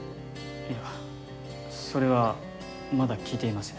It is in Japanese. いやそれはまだ聞いていません。